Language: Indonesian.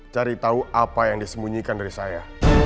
cari tahu apa yang disembunyikan dari saya